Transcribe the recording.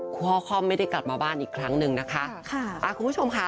พ่อค่อมไม่ได้กลับมาบ้านอีกครั้งหนึ่งนะคะค่ะอ่าคุณผู้ชมค่ะ